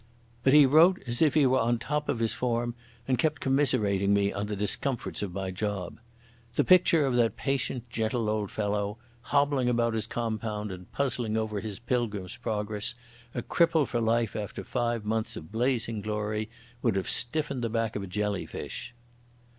But he wrote as if he were on the top of his form and kept commiserating me on the discomforts of my job. The picture of that patient, gentle old fellow, hobbling about his compound and puzzling over his Pilgrim's Progress, a cripple for life after five months of blazing glory, would have stiffened the back of a jellyfish.